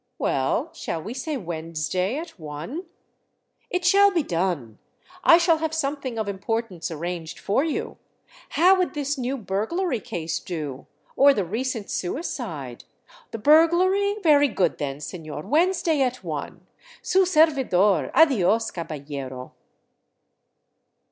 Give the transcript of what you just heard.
" Well, shall we say Wednesday, at one ?"" It shall be done. I shall have something of importance arranged for you. How would this new burglary case do? Or the recent sui cide? The burglary? Very good, then, sefior; Wednesday at one. Su servidor, adios, caballero."